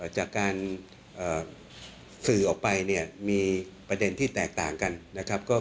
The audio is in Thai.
จากการสื่อออกไปเนี่ยมีประเด็นที่แตกต่างกันนะครับ